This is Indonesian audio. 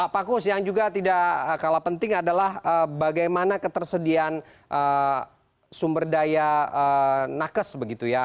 pak kus yang juga tidak kalah penting adalah bagaimana ketersediaan sumber daya nakes begitu ya